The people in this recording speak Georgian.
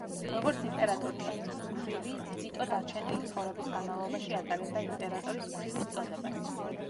როგორც იმპერატორ ტენმუს ქვრივი, ძიტო დარჩენილი ცხოვრების განმავლობაში ატარებდა იმპერატორის ქვრივის წოდებას.